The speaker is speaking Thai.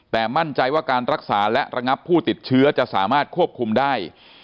แต่มั่นใจว่าการรักษาและระงับผู้ติดเชื้อจะสามารถควบคุมได้